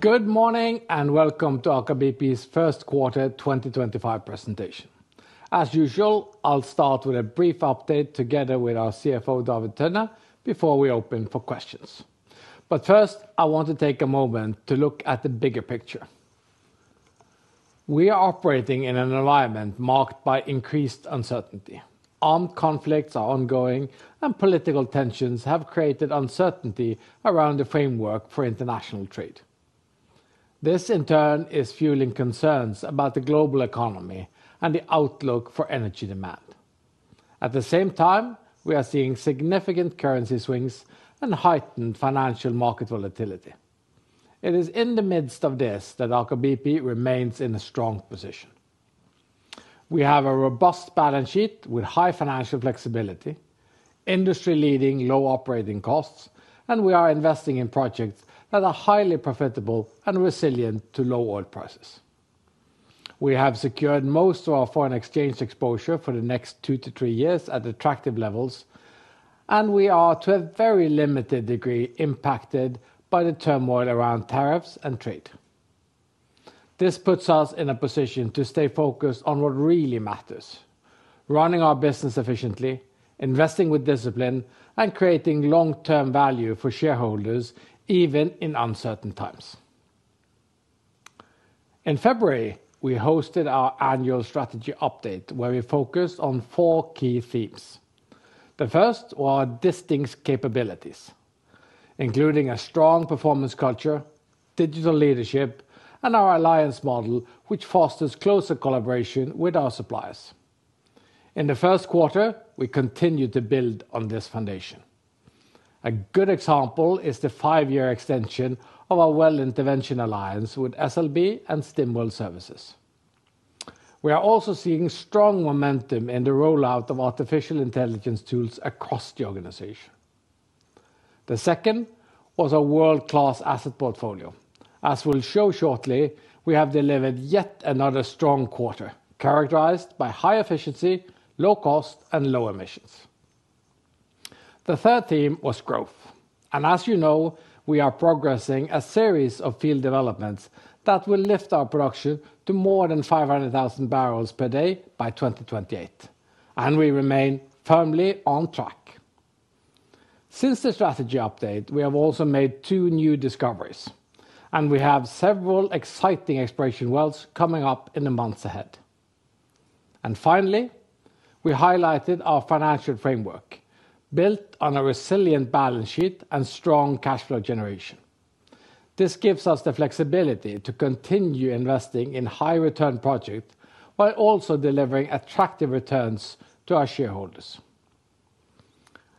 Good morning and welcome to Aker BP's first quarter 2025 presentation. As usual, I'll start with a brief update together with our CFO, David Tønne, before we open for questions. First, I want to take a moment to look at the bigger picture. We are operating in an environment marked by increased uncertainty. Armed conflicts are ongoing, and political tensions have created uncertainty around the framework for international trade. This, in turn, is fueling concerns about the global economy and the outlook for energy demand. At the same time, we are seeing significant currency swings and heightened financial market volatility. It is in the midst of this that Aker BP remains in a strong position. We have a robust balance sheet with high financial flexibility, industry-leading low operating costs, and we are investing in projects that are highly profitable and resilient to low oil prices. We have secured most of our foreign exchange exposure for the next two to three years at attractive levels, and we are, to a very limited degree, impacted by the turmoil around tariffs and trade. This puts us in a position to stay focused on what really matters: running our business efficiently, investing with discipline, and creating long-term value for shareholders, even in uncertain times. In February, we hosted our annual strategy update where we focused on four key themes. The first were our distinct capabilities, including a strong performance culture, digital leadership, and our alliance model, which fosters closer collaboration with our suppliers. In the first quarter, we continue to build on this foundation. A good example is the five-year extension of our well intervention alliance with SLB and Stimwell Services. We are also seeing strong momentum in the rollout of artificial intelligence tools across the organization. The second was our world-class asset portfolio. As we'll show shortly, we have delivered yet another strong quarter characterized by high efficiency, low cost, and low emissions. The third theme was growth. As you know, we are progressing a series of field developments that will lift our production to more than 500,000 barrels per day by 2028. We remain firmly on track. Since the strategy update, we have also made two new discoveries, and we have several exciting exploration wells coming up in the months ahead. Finally, we highlighted our financial framework built on a resilient balance sheet and strong cash flow generation. This gives us the flexibility to continue investing in high-return projects while also delivering attractive returns to our shareholders.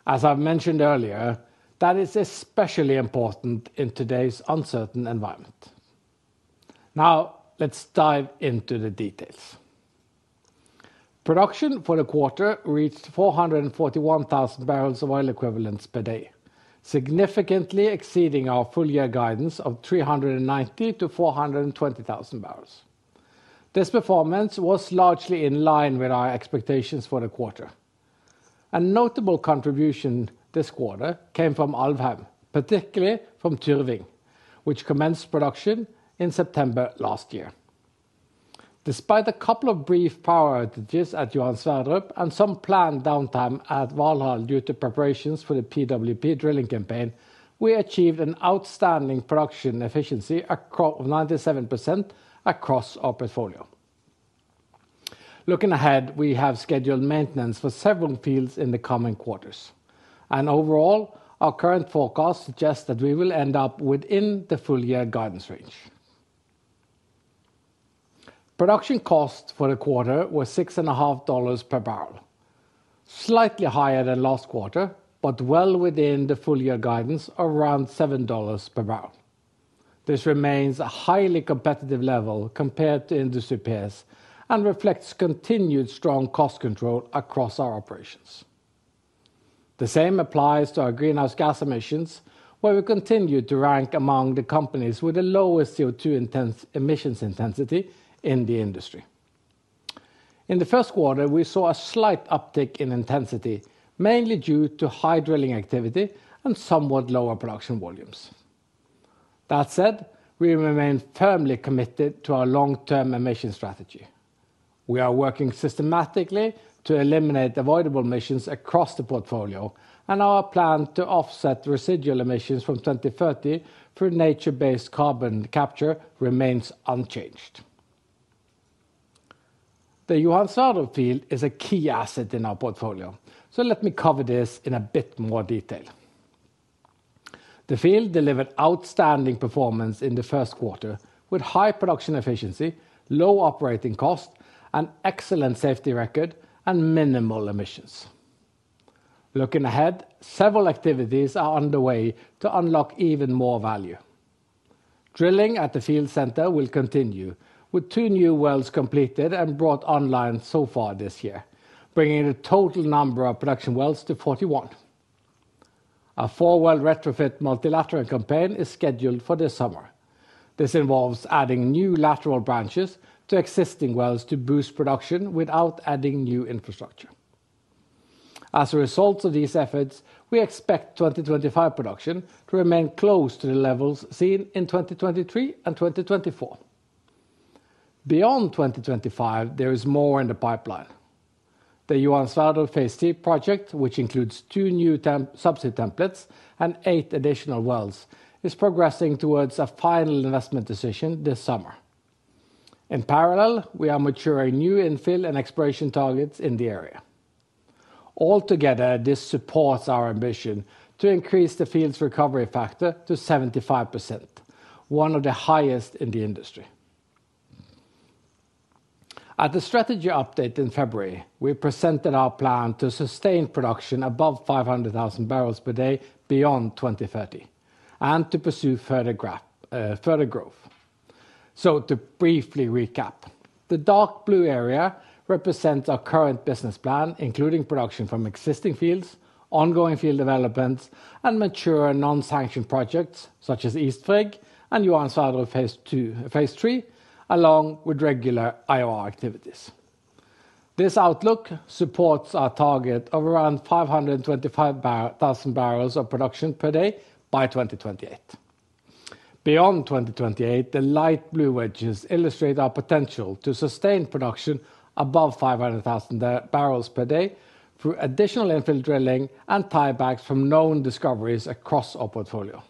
As I've mentioned earlier, that is especially important in today's uncertain environment. Now, let's dive into the details. Production for the quarter reached 441,000 barrels of oil equivalent per day, significantly exceeding our full-year guidance of 390,000-420,000 barrels. This performance was largely in line with our expectations for the quarter. A notable contribution this quarter came from Alvheim, particularly from Tyrving, which commenced production in September last year. Despite a couple of brief power outages at Johan Sverdrup and some planned downtime at Valhall due to preparations for the PWP drilling campaign, we achieved an outstanding production efficiency of 97% across our portfolio. Looking ahead, we have scheduled maintenance for several fields in the coming quarters. Overall, our current forecast suggests that we will end up within the full-year guidance range. Production costs for the quarter were $6.50 per barrel, slightly higher than last quarter, but well within the full-year guidance of around $7 per barrel. This remains a highly competitive level compared to industry peers and reflects continued strong cost control across our operations. The same applies to our greenhouse gas emissions, where we continue to rank among the companies with the lowest CO2 emissions intensity in the industry. In the first quarter, we saw a slight uptick in intensity, mainly due to high drilling activity and somewhat lower production volumes. That said, we remain firmly committed to our long-term emission strategy. We are working systematically to eliminate avoidable emissions across the portfolio, and our plan to offset residual emissions from 2030 through nature-based carbon capture remains unchanged. The Johan Sverdrup field is a key asset in our portfolio, so let me cover this in a bit more detail. The field delivered outstanding performance in the first quarter with high production efficiency, low operating cost, an excellent safety record, and minimal emissions. Looking ahead, several activities are underway to unlock even more value. Drilling at the field center will continue, with two new wells completed and brought online so far this year, bringing the total number of production wells to 41. A four-well retrofit multilateral campaign is scheduled for this summer. This involves adding new lateral branches to existing wells to boost production without adding new infrastructure. As a result of these efforts, we expect 2025 production to remain close to the levels seen in 2023 and 2024. Beyond 2025, there is more in the pipeline. The Johan Sverdrup Phase III project, which includes two new subsea templates and eight additional wells, is progressing towards a final investment decision this summer. In parallel, we are maturing new infill and exploration targets in the area. Altogether, this supports our ambition to increase the field's recovery factor to 75%, one of the highest in the industry. At the strategy update in February, we presented our plan to sustain production above 500,000 barrels per day beyond 2030 and to pursue further growth. To briefly recap, the dark blue area represents our current business plan, including production from existing fields, ongoing field developments, and mature non-sanctioned projects such as East Frigg and Johan Sverdrup Phase III, along with regular IOR activities. This outlook supports our target of around 525,000 barrels of production per day by 2028. Beyond 2028, the light blue wedges illustrate our potential to sustain production above 500,000 barrels per day through additional infill drilling and tiebacks from known discoveries across our portfolio.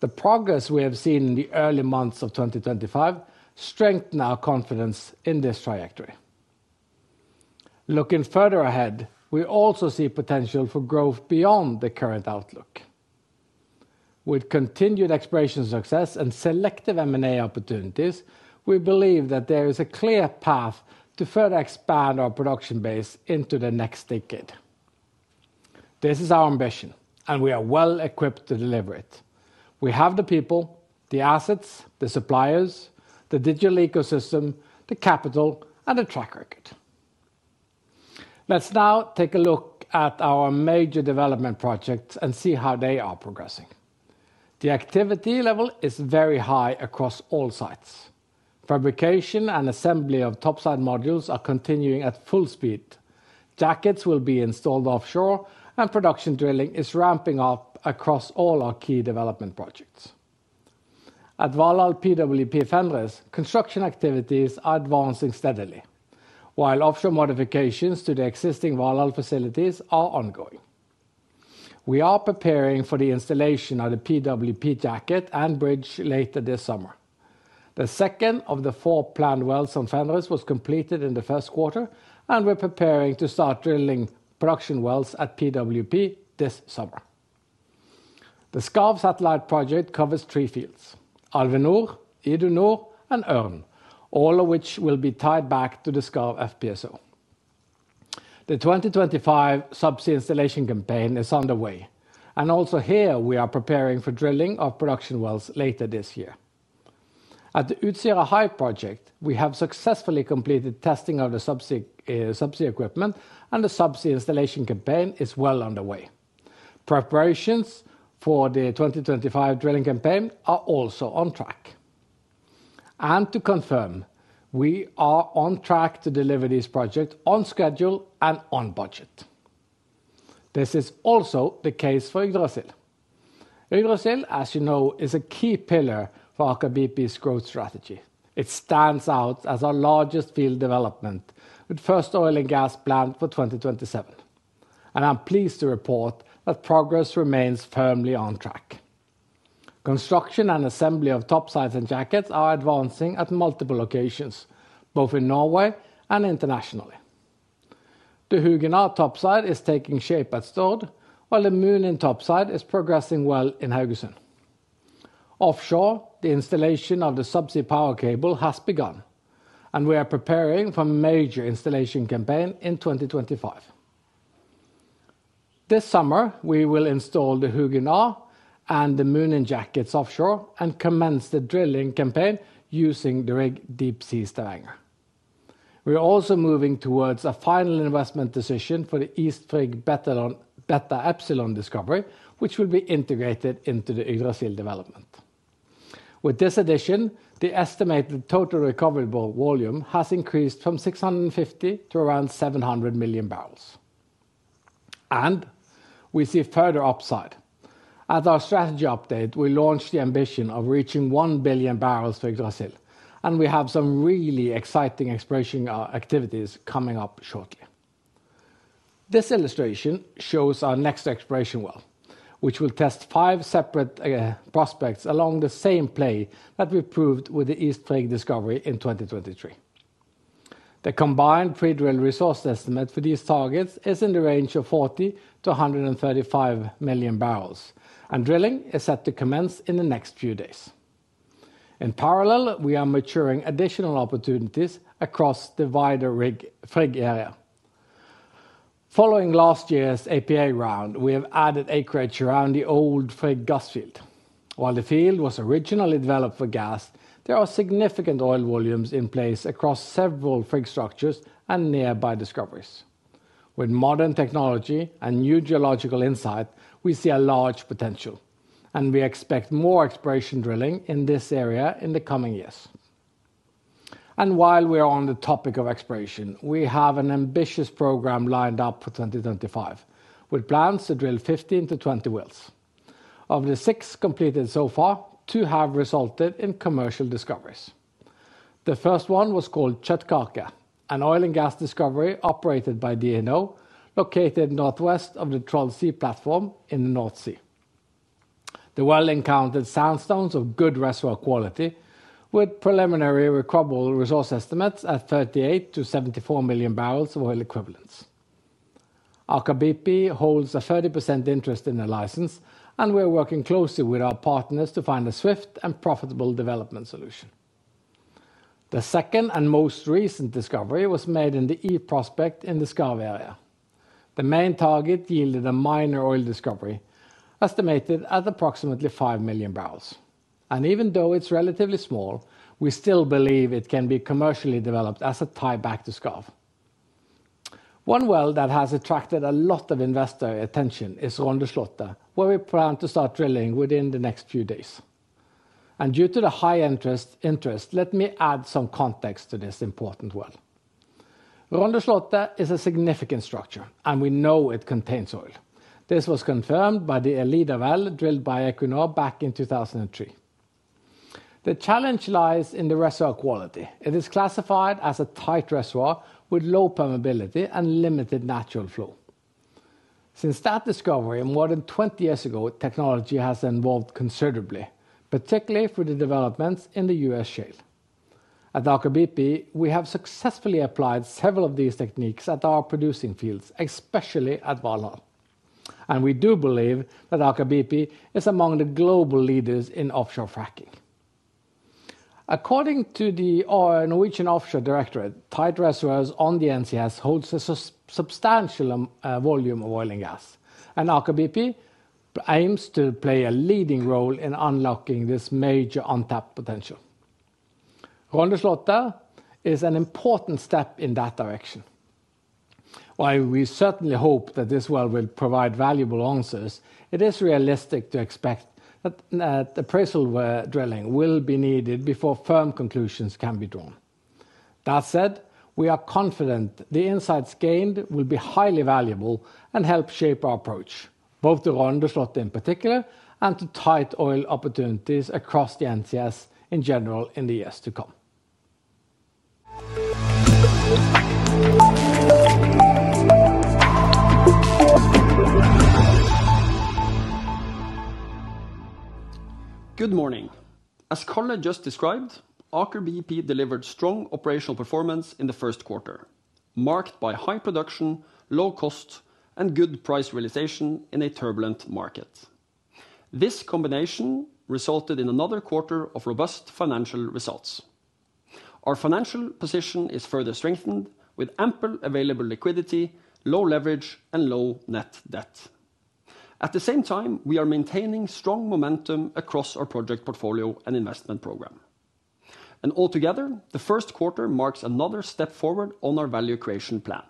The progress we have seen in the early months of 2025 strengthens our confidence in this trajectory. Looking further ahead, we also see potential for growth beyond the current outlook. With continued exploration success and selective M&A opportunities, we believe that there is a clear path to further expand our production base into the next decade. This is our ambition, and we are well equipped to deliver it. We have the people, the assets, the suppliers, the digital ecosystem, the capital, and the track record. Let's now take a look at our major development projects and see how they are progressing. The activity level is very high across all sites. Fabrication and assembly of topside modules are continuing at full speed. Jackets will be installed offshore, and production drilling is ramping up across all our key development projects. At Valhall PWP Fenris, construction activities are advancing steadily, while offshore modifications to the existing Valhall facilities are ongoing. We are preparing for the installation of the PWP jacket and bridge later this summer. The second of the four planned wells on Fenris was completed in the first quarter, and we're preparing to start drilling production wells at PWP this summer. The Skarv Satellite Project covers three fields: Alve Nord, Idun Nord, and Ørn, all of which will be tied back to the Skarv FPSO. The 2025 subsea installation campaign is underway, and also here we are preparing for drilling of production wells later this year. At the Utsira High project, we have successfully completed testing of the subsea equipment, and the subsea installation campaign is well underway. Preparations for the 2025 drilling campaign are also on track. To confirm, we are on track to deliver these projects on schedule and on budget. This is also the case for Yggdrasil. Yggdrasil, as you know, is a key pillar for Aker BP's growth strategy. It stands out as our largest field development, with the first oil and gas planned for 2027. I'm pleased to report that progress remains firmly on track. Construction and assembly of topsides and jackets are advancing at multiple locations, both in Norway and internationally. The Hugin A topside is taking shape at Stord, while the Munin topside is progressing well in Haugesund. Offshore, the installation of the subsea power cable has begun, and we are preparing for a major installation campaign in 2025. This summer, we will install the Hugin A and the Munin jackets offshore and commence the drilling campaign using the rig Deepsea Vanguard. We are also moving towards a final investment decision for the East Frigg Beta Epsilon discovery, which will be integrated into the Yggdrasil development. With this addition, the estimated total recoverable volume has increased from 650 to around 700 million barrels. We see further upside. At our strategy update, we launched the ambition of reaching 1 billion barrels for Yggdrasil, and we have some really exciting exploration activities coming up shortly. This illustration shows our next exploration well, which will test five separate prospects along the same play that we proved with the East Frigg discovery in 2023. The combined pre-drill resource estimate for these targets is in the range of 40-135 million barrels, and drilling is set to commence in the next few days. In parallel, we are maturing additional opportunities across the wider Frigg area. Following last year's APA round, we have added acreage around the old Frigg gas field. While the field was originally developed for gas, there are significant oil volumes in place across several Frigg structures and nearby discoveries. With modern technology and new geological insight, we see a large potential, and we expect more exploration drilling in this area in the coming years. While we are on the topic of exploration, we have an ambitious program lined up for 2025, with plans to drill 15-20 wells. Of the six completed so far, two have resulted in commercial discoveries. The first one was called Tjuchem, an oil and gas discovery operated by DNO, located northwest of the Troll Sea platform in the North Sea. The well encountered sandstones of good reservoir quality, with preliminary recoverable resource estimates at 38-74 million barrels of oil equivalent. Aker BP holds a 30% interest in the license, and we are working closely with our partners to find a swift and profitable development solution. The second and most recent discovery was made in the Eve prospect in the Skarv area. The main target yielded a minor oil discovery estimated at approximately 5 million barrels. Even though it's relatively small, we still believe it can be commercially developed as a tieback to Skarv. One well that has attracted a lot of investor attention is Rondeslottet, where we plan to start drilling within the next few days. Due to the high interest, let me add some context to this important well. Rondeslottet is a significant structure, and we know it contains oil. This was confirmed by the Ellida well drilled by Equinor back in 2003. The challenge lies in the reservoir quality. It is classified as a tight reservoir with low permeability and limited natural flow. Since that discovery more than 20 years ago, technology has evolved considerably, particularly through the developments in the U.S. shale. At Aker BP, we have successfully applied several of these techniques at our producing fields, especially at Valhall. We do believe that Aker BP is among the global leaders in offshore fracking. According to the Norwegian Offshore Directorate, tight reservoirs on the NCS hold a substantial volume of oil and gas, and Aker BP aims to play a leading role in unlocking this major untapped potential. Rondeslåtte is an important step in that direction. While we certainly hope that this well will provide valuable answers, it is realistic to expect that appraisal drilling will be needed before firm conclusions can be drawn. That said, we are confident the insights gained will be highly valuable and help shape our approach, both to Rondeslottet in particular and to tight oil opportunities across the NCS in general in the years to come. Good morning. As Karl had just described, Aker BP delivered strong operational performance in the first quarter, marked by high production, low cost, and good price realization in a turbulent market. This combination resulted in another quarter of robust financial results. Our financial position is further strengthened with ample available liquidity, low leverage, and low net debt. At the same time, we are maintaining strong momentum across our project portfolio and investment program. Altogether, the first quarter marks another step forward on our value creation plan,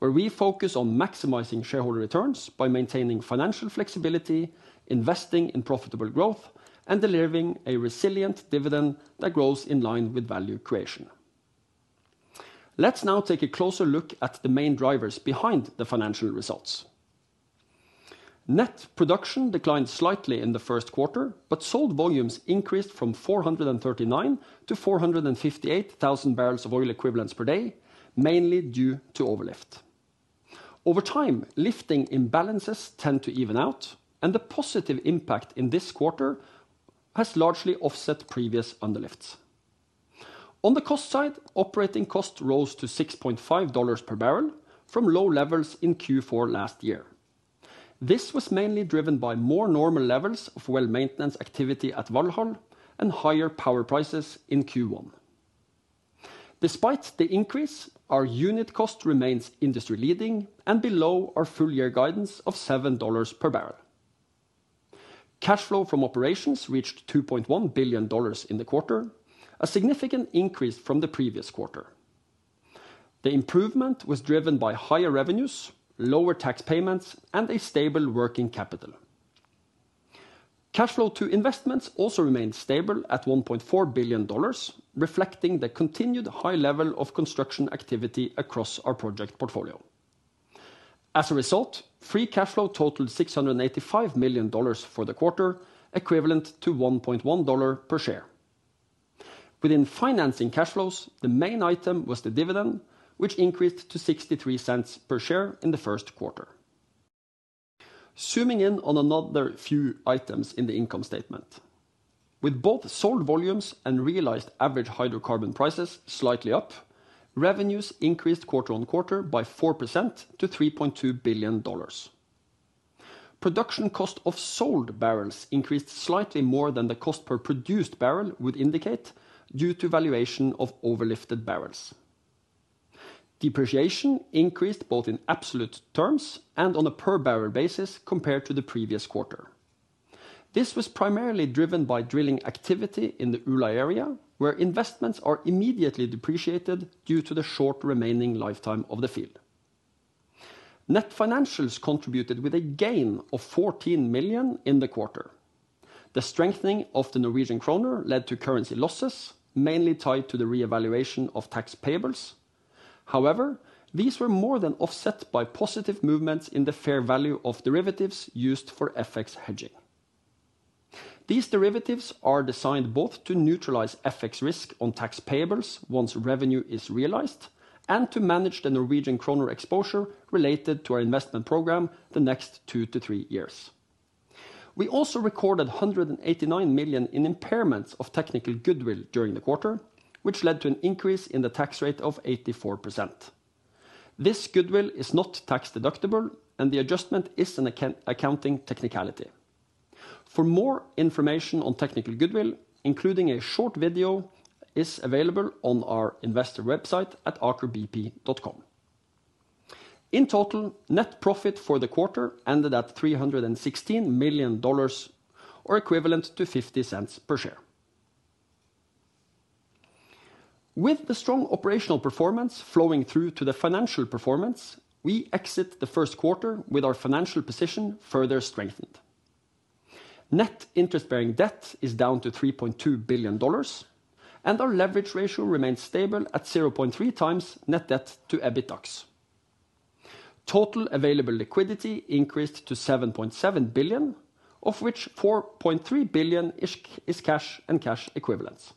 where we focus on maximizing shareholder returns by maintaining financial flexibility, investing in profitable growth, and delivering a resilient dividend that grows in line with value creation. Let's now take a closer look at the main drivers behind the financial results. Net production declined slightly in the first quarter, but sold volumes increased from 439,000 to 458,000 barrels of oil equivalent per day, mainly due to overlift. Over time, lifting imbalances tend to even out, and the positive impact in this quarter has largely offset previous underlifts. On the cost side, operating cost rose to $6.5 per barrel from low levels in Q4 last year. This was mainly driven by more normal levels of well maintenance activity at Valhall and higher power prices in Q1. Despite the increase, our unit cost remains industry leading and below our full year guidance of $7 per barrel. Cash flow from operations reached $2.1 billion in the quarter, a significant increase from the previous quarter. The improvement was driven by higher revenues, lower tax payments, and a stable working capital. Cash flow to investments also remained stable at $1.4 billion, reflecting the continued high level of construction activity across our project portfolio. As a result, free cash flow totaled $685 million for the quarter, equivalent to $1.1 per share. Within financing cash flows, the main item was the dividend, which increased to $0.63 per share in the first quarter. Zooming in on another few items in the income statement. With both sold volumes and realized average hydrocarbon prices slightly up, revenues increased quarter on quarter by 4% to $3.2 billion. Production cost of sold barrels increased slightly more than the cost per produced barrel would indicate due to valuation of overlifted barrels. Depreciation increased both in absolute terms and on a per barrel basis compared to the previous quarter. This was primarily driven by drilling activity in the Ula area, where investments are immediately depreciated due to the short remaining lifetime of the field. Net financials contributed with a gain of $14 million in the quarter. The strengthening of the Norwegian Kroner led to currency losses, mainly tied to the reevaluation of tax payables. However, these were more than offset by positive movements in the fair value of derivatives used for FX hedging. These derivatives are designed both to neutralize FX risk on tax payables once revenue is realized and to manage the Norwegian Kroner exposure related to our investment program the next two to three years. We also recorded $189 million in impairments of technical goodwill during the quarter, which led to an increase in the tax rate of 84%. This goodwill is not tax deductible, and the adjustment is an accounting technicality. For more information on technical goodwill, including a short video, is available on our investor website at akerbp.com. In total, net profit for the quarter ended at $316 million, or equivalent to $0.50 per share. With the strong operational performance flowing through to the financial performance, we exit the first quarter with our financial position further strengthened. Net interest-bearing debt is down to $3.2 billion, and our leverage ratio remains stable at 0.3 times net debt to EBITDAx. Total available liquidity increased to $7.7 billion, of which $4.3 billion is cash and cash equivalents.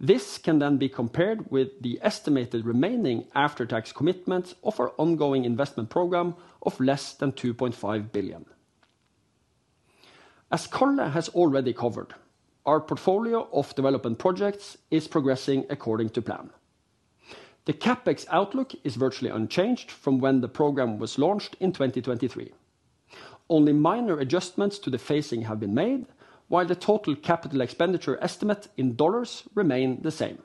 This can then be compared with the estimated remaining after-tax commitment of our ongoing investment program of less than $2.5 billion. As Colin has already covered, our portfolio of development projects is progressing according to plan. The CapEx outlook is virtually unchanged from when the program was launched in 2023. Only minor adjustments to the phasing have been made, while the total capital expenditure estimate in dollars remains the same.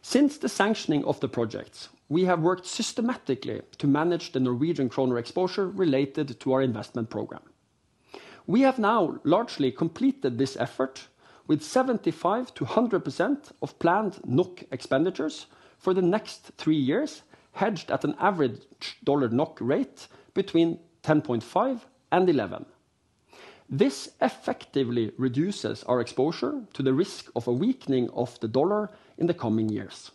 Since the sanctioning of the projects, we have worked systematically to manage the Norwegian Kroner exposure related to our investment program. We have now largely completed this effort, with 75-100% of planned NOK expenditures for the next three years hedged at an average dollar NOK rate between 10.5 and 11. This effectively reduces our exposure to the risk of a weakening of the dollar in the coming years.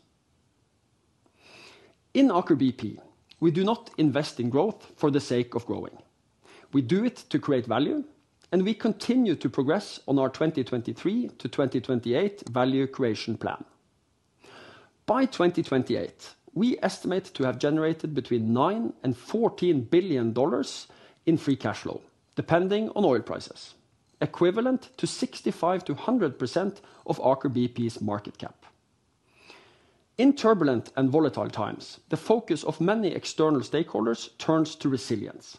In Aker BP, we do not invest in growth for the sake of growing. We do it to create value, and we continue to progress on our 2023 to 2028 value creation plan. By 2028, we estimate to have generated between $9 billion and $14 billion in free cash flow, depending on oil prices, equivalent to 65%-100% of Aker BP's market cap. In turbulent and volatile times, the focus of many external stakeholders turns to resilience.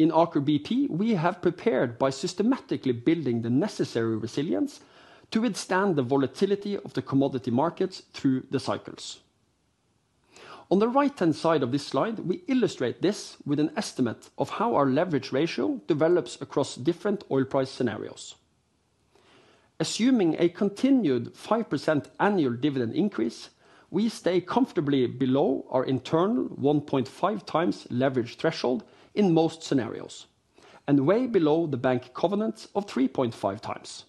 In Aker BP, we have prepared by systematically building the necessary resilience to withstand the volatility of the commodity markets through the cycles. On the right-hand side of this slide, we illustrate this with an estimate of how our leverage ratio develops across different oil price scenarios. Assuming a continued 5% annual dividend increase, we stay comfortably below our internal 1.5 times leverage threshold in most scenarios, and way below the bank covenant of 3.5 times.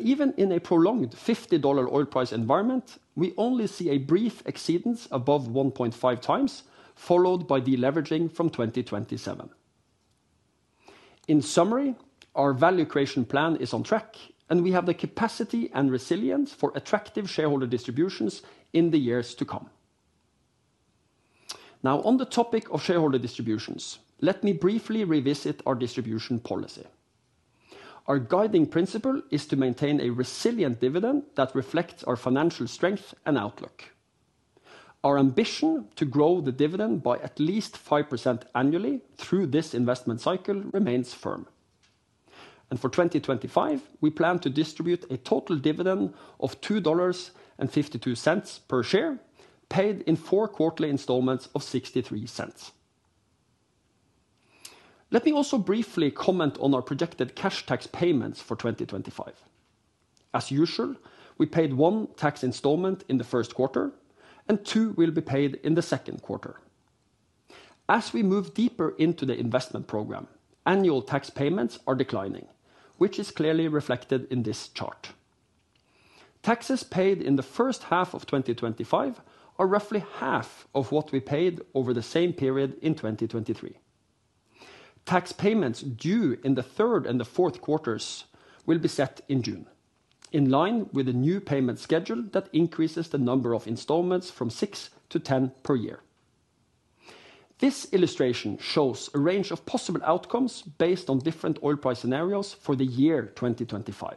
Even in a prolonged $50 oil price environment, we only see a brief exceedance above 1.5 times, followed by deleveraging from 2027. In summary, our value creation plan is on track, and we have the capacity and resilience for attractive shareholder distributions in the years to come. Now, on the topic of shareholder distributions, let me briefly revisit our distribution policy. Our guiding principle is to maintain a resilient dividend that reflects our financial strength and outlook. Our ambition to grow the dividend by at least 5% annually through this investment cycle remains firm. For 2025, we plan to distribute a total dividend of $2.52 per share, paid in four quarterly installments of $0.63. Let me also briefly comment on our projected cash tax payments for 2025. As usual, we paid one tax installment in the first quarter, and two will be paid in the second quarter. As we move deeper into the investment program, annual tax payments are declining, which is clearly reflected in this chart. Taxes paid in the first half of 2025 are roughly half of what we paid over the same period in 2023. Tax payments due in the third and the fourth quarters will be set in June, in line with a new payment schedule that increases the number of installments from 6 to 10 per year. This illustration shows a range of possible outcomes based on different oil price scenarios for the year 2025.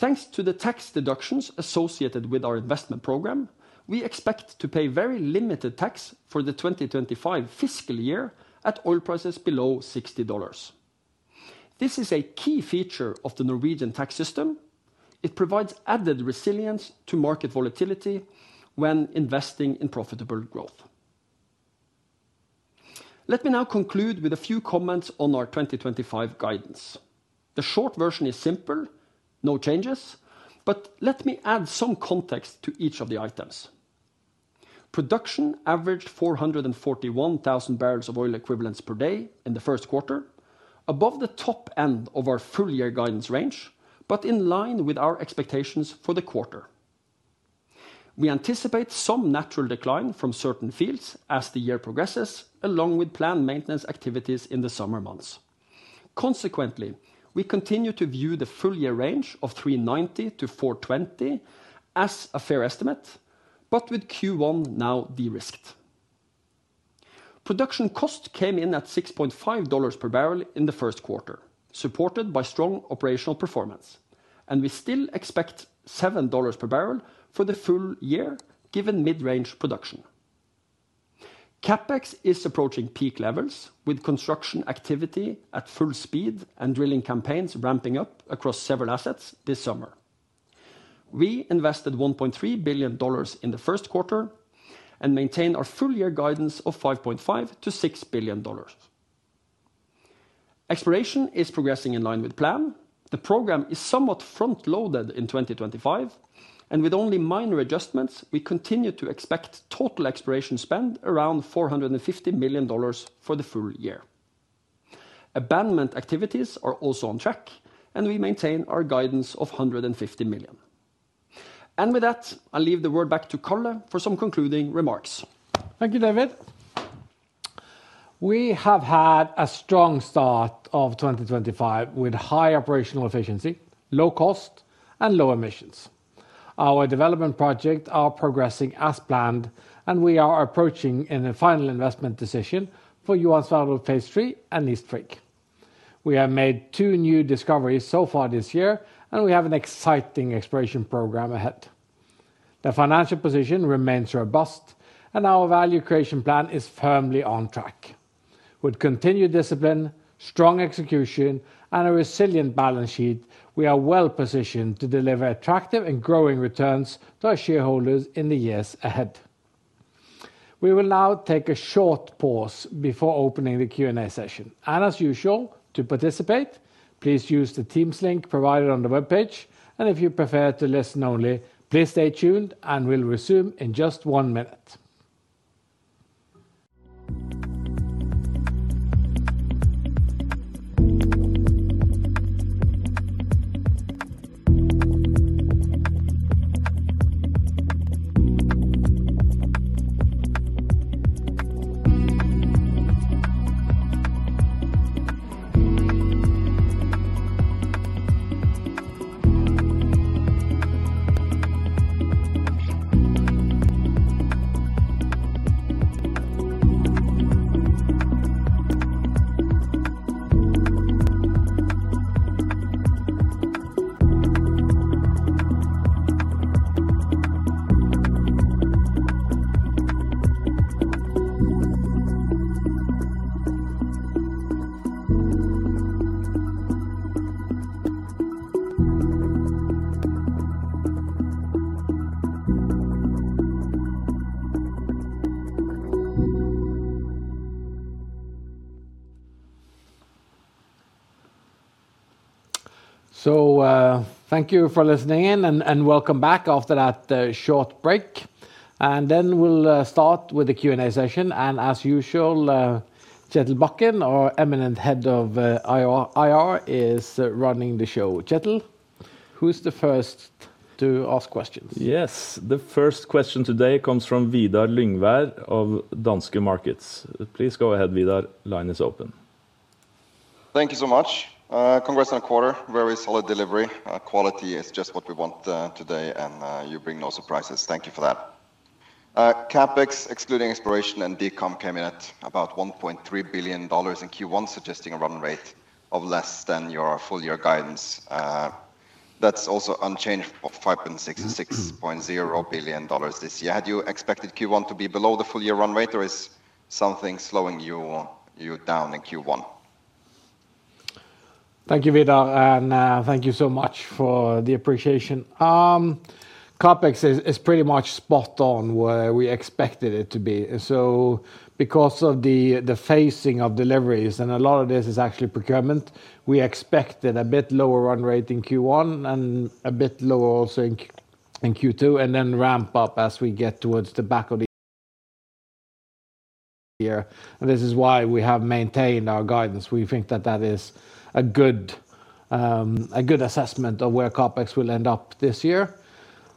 Thanks to the tax deductions associated with our investment program, we expect to pay very limited tax for the 2025 fiscal year at oil prices below $60. This is a key feature of the Norwegian tax system. It provides added resilience to market volatility when investing in profitable growth. Let me now conclude with a few comments on our 2025 guidance. The short version is simple, no changes, but let me add some context to each of the items. Production averaged 441,000 barrels of oil equivalent per day in the first quarter, above the top end of our full year guidance range, but in line with our expectations for the quarter. We anticipate some natural decline from certain fields as the year progresses, along with planned maintenance activities in the summer months. Consequently, we continue to view the full year range of $390-$420 as a fair estimate, but with Q1 now de-risked. Production cost came in at $6.5 per barrel in the first quarter, supported by strong operational performance, and we still expect $7 per barrel for the full year given mid-range production. CapEx is approaching peak levels, with construction activity at full speed and drilling campaigns ramping up across several assets this summer. We invested $1.3 billion in the first quarter and maintain our full year guidance of $5.5-$6 billion. Exploration is progressing in line with plan. The program is somewhat front-loaded in 2025, and with only minor adjustments, we continue to expect total exploration spend around $450 million for the full year. Abandonment activities are also on track, and we maintain our guidance of $150 million. With that, I'll leave the word back to Karl for some concluding remarks. Thank you, David. We have had a strong start of 2025 with high operational efficiency, low cost, and low emissions. Our development projects are progressing as planned, and we are approaching a final investment decision for Johan Sverdrup Phase III and East Frigg. We have made two new discoveries so far this year, and we have an exciting exploration program ahead. The financial position remains robust, and our value creation plan is firmly on track. With continued discipline, strong execution, and a resilient balance sheet, we are well positioned to deliver attractive and growing returns to our shareholders in the years ahead. We will now take a short pause before opening the Q&A session. As usual, to participate, please use the Teams link provided on the web page. If you prefer to listen only, please stay tuned, and we'll resume in just one minute. Thank you for listening in, and welcome back after that short break. We'll start with the Q&A session. As usual, Kjetil Bakken, our eminent Head of IR, is running the show. Kjetil, who's the first to ask questions? Yes, the first question today comes from Vidar Lyngvær of Danske Bank. Please go ahead, Vidar. Line is open. Thank you so much. Congrats on the quarter. Very solid delivery. Quality is just what we want today, and you bring no surprises. Thank you for that. CapEx, excluding exploration and decommissioning, came in at about $1.3 billion in Q1, suggesting a run rate of less than your full year guidance. That's also unchanged from $5.6 billion-$6.0 billion this year. Had you expected Q1 to be below the full year run rate, or is something slowing you down in Q1? Thank you, Vidar, and thank you so much for the appreciation. CapEx is pretty much spot on where we expected it to be. Because of the phasing of deliveries, and a lot of this is actually procurement, we expected a bit lower run rate in Q1 and a bit lower also in Q2, and then ramp up as we get towards the back of the year. This is why we have maintained our guidance. We think that that is a good assessment of where CapEx will end up this year.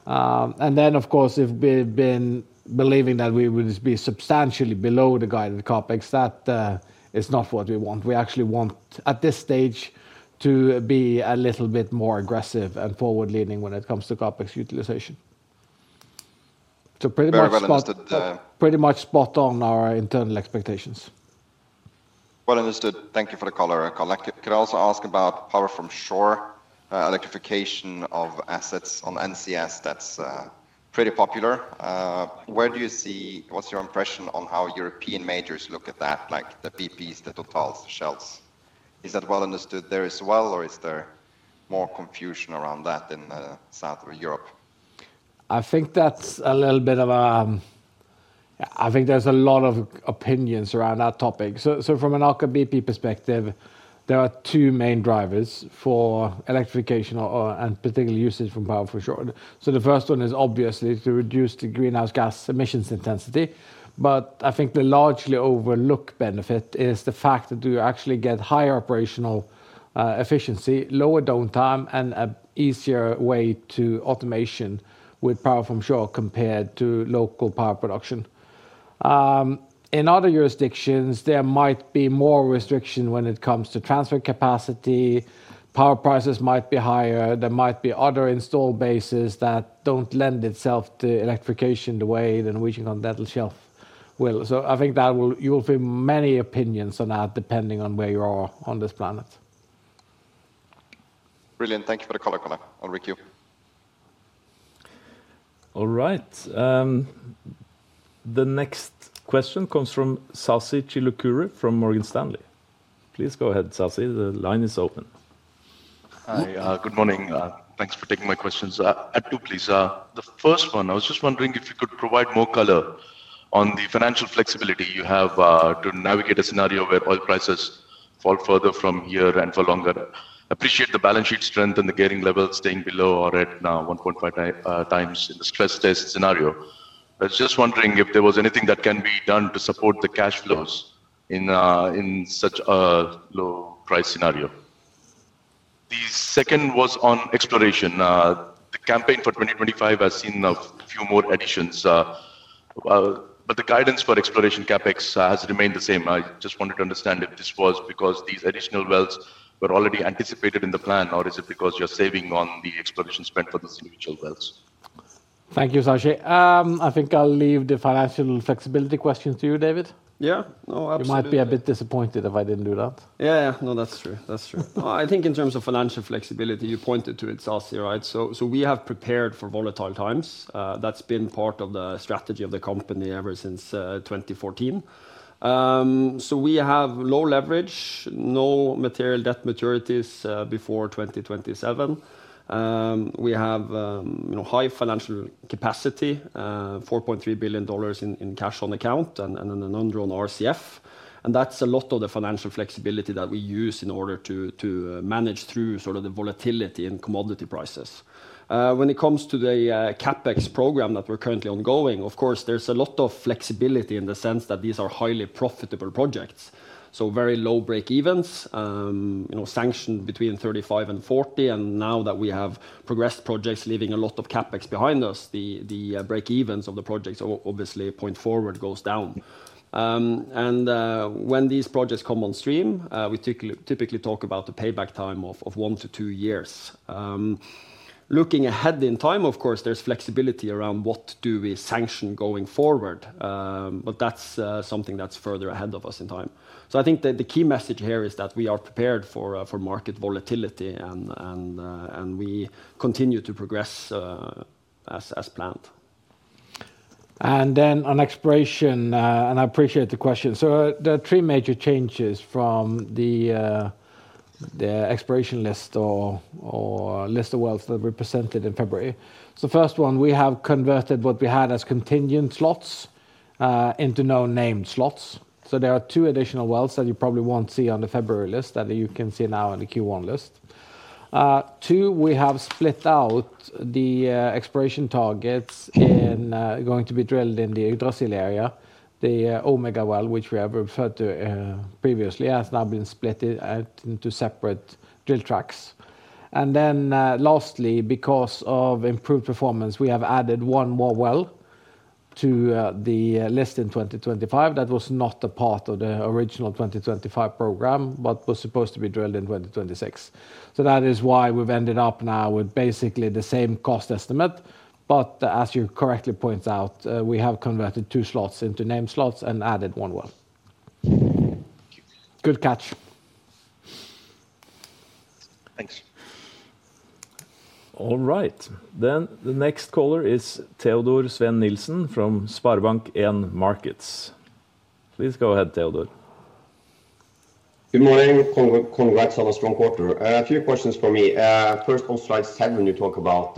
Of course, if we had been believing that we would be substantially below the guided CapEx, that is not what we want. We actually want, at this stage, to be a little bit more aggressive and forward-leaning when it comes to CapEx utilization. So pretty much spot on our internal expectations. Well understood. Thank you for the color, Karl. I could also ask about power from shore electrification of assets on NCS. That's pretty popular. Where do you see, what's your impression on how European majors look at that, like the BPs, the Totals, the Shells? Is that well understood there as well, or is there more confusion around that in the south of Europe? I think that's a little bit of a, I think there's a lot of opinions around that topic. From an Aker BP perspective, there are two main drivers for electrification and particularly usage from power from shore. The first one is obviously to reduce the greenhouse gas emissions intensity. I think the largely overlooked benefit is the fact that you actually get higher operational efficiency, lower downtime, and an easier way to automation with power from shore compared to local power production. In other jurisdictions, there might be more restrictions when it comes to transfer capacity. Power prices might be higher. There might be other install bases that do not lend itself to electrification the way the Norwegian Continental Shelf will. I think that you will find many opinions on that depending on where you are on this planet. Brilliant. Thank you for the color, Karl. I will queue. All right. The next question comes from Sasi Chilukuru from Morgan Stanley. Please go ahead, Sasi. The line is open. Hi, good morning. Thanks for taking my questions. Add two, please. The first one, I was just wondering if you could provide more color on the financial flexibility you have to navigate a scenario where oil prices fall further from here and for longer. Appreciate the balance sheet strength and the gearing level staying below or at now 1.5 times in the stress test scenario. I was just wondering if there was anything that can be done to support the cash flows in such a low price scenario. The second was on exploration. The campaign for 2025 has seen a few more additions, but the guidance for exploration CapEx has remained the same. I just wanted to understand if this was because these additional wells were already anticipated in the plan, or is it because you're saving on the exploration spent for those individual wells? Thank you, Sasi. I think I'll leave the financial flexibility question to you, David. Yeah, no, absolutely. You might be a bit disappointed if I didn't do that. Yeah, yeah, no, that's true. That's true. I think in terms of financial flexibility, you pointed to it, Sasi, right? We have prepared for volatile times. That's been part of the strategy of the company ever since 2014. We have low leverage, no material debt maturities before 2027. We have high financial capacity, $4.3 billion in cash on account and an un-drawn RCF. That's a lot of the financial flexibility that we use in order to manage through sort of the volatility in commodity prices. When it comes to the CapEx program that we're currently ongoing, of course, there's a lot of flexibility in the sense that these are highly profitable projects. Very low breakevens, sanctioned between $35 and $40. Now that we have progressed projects leaving a lot of CapEx behind us, the breakevens of the projects obviously point forward, goes down. When these projects come on stream, we typically talk about the payback time of one to two years. Looking ahead in time, of course, there is flexibility around what do we sanction going forward. That is something that is further ahead of us in time. I think the key message here is that we are prepared for market volatility and we continue to progress as planned. On exploration, I appreciate the question. There are three major changes from the exploration list or list of wells that we presented in February. First, we have converted what we had as contingent slots into no-name slots. There are two additional wells that you probably will not see on the February list that you can see now in the Q1 list. Two, we have split out the exploration targets going to be drilled in the Yggdrasil area. The Omega well, which we have referred to previously, has now been split into separate drill tracks. Lastly, because of improved performance, we have added one more well to the list in 2025 that was not a part of the original 2025 program, but was supposed to be drilled in 2026. That is why we have ended up now with basically the same cost estimate. As you correctly point out, we have converted two slots into name slots and added one Well. Good catch. Thanks. All right. The next caller is Teodor Sveen-Nielsen from SpareBank 1 Markets. Please go ahead, Theodor. Good morning. Congrats on a strong quarter. A few questions for me. First, on slide seven, you talk about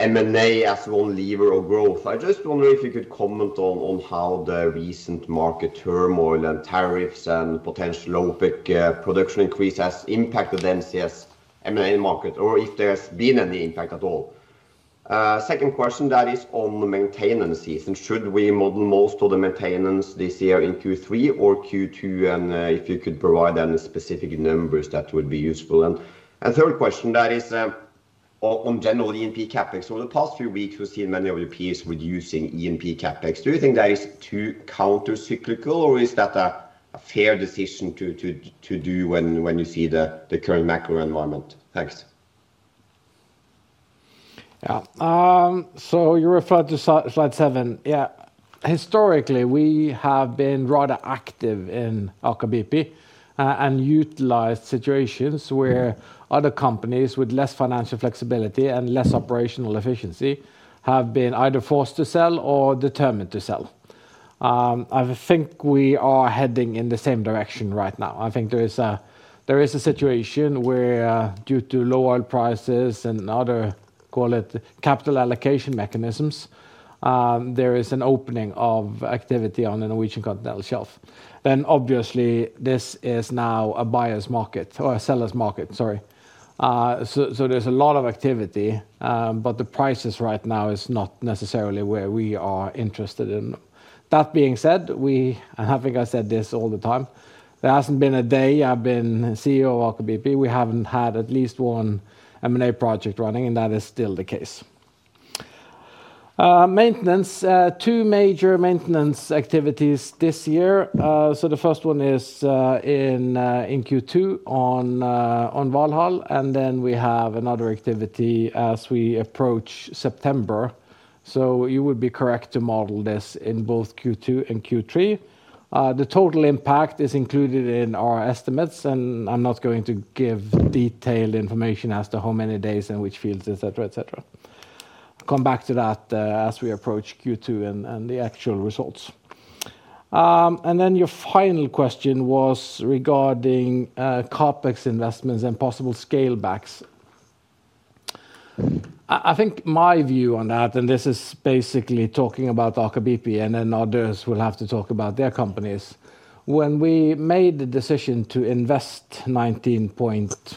M&A as one lever of growth. I just wonder if you could comment on how the recent market turmoil and tariffs and potential OPEC production increase has impacted the NCS M&A market, or if there has been any impact at all. Second question, that is on the maintenance season. Should we model most of the maintenance this year in Q3 or Q2? If you could provide any specific numbers, that would be useful. Third question, that is on general E&P CapEx. Over the past few weeks, we've seen many of your peers reducing E&P CapEx. Do you think that is too countercyclical, or is that a fair decision to do when you see the current macro environment? Thanks. Yeah. You referred to slide seven. Yeah. Historically, we have been rather active in Aker BP and utilized situations where other companies with less financial flexibility and less operational efficiency have been either forced to sell or determined to sell. I think we are heading in the same direction right now. I think there is a situation where, due to low oil prices and other, call it capital allocation mechanisms, there is an opening of activity on the Norwegian Continental Shelf. Obviously, this is now a buyer's market or a seller's market, sorry. There is a lot of activity, but the prices right now are not necessarily where we are interested in. That being said, we, and I think I say this all the time, there has not been a day I have been CEO of Aker BP, we have not had at least one M&A project running, and that is still the case. Maintenance, two major maintenance activities this year. The first one is in Q2 on Valhall, and then we have another activity as we approach September. You would be correct to model this in both Q2 and Q3. The total impact is included in our estimates, and I'm not going to give detailed information as to how many days and which fields, et cetera, et cetera. I'll come back to that as we approach Q2 and the actual results. Your final question was regarding CapEx investments and possible scale backs. I think my view on that, and this is basically talking about Aker BP and then others will have to talk about their companies, when we made the decision to invest $19.4